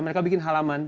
mereka bikin halaman